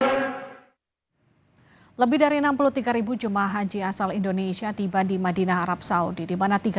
hai lebih dari enam puluh tiga jum ah haji asal indonesia tiba di madinah arab saudi dimana